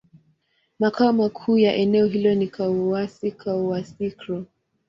Makao makuu ya eneo hilo ni Kouassi-Kouassikro.